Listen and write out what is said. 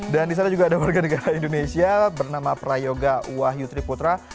dan di sana juga ada warga negara indonesia bernama prayoga wahyutri putra